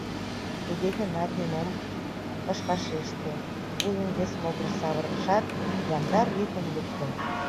Туге гынат нимом ыш вашеште, вуйым вес могырыш савырышат, яндар йӱкым лукто: